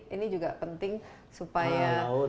ini juga penting supaya